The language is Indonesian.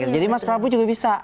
jadi mas prabu juga bisa